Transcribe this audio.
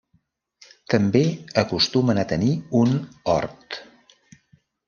També acostumen a tenir un hort.